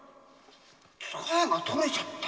つかえが取れちゃった。